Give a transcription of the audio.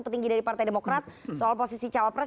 petinggi dari partai demokrat soal posisi cawapres